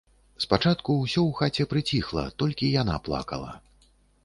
Спачатку ўсё ў хаце прыціхла, толькі яна плакала.